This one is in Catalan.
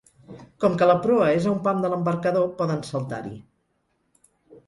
Com que la proa és a un pam de l'embarcador poden saltar-hi.